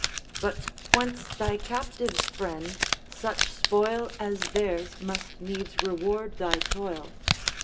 'But whence thy captives, friend? such spoil As theirs must needs reward thy toil.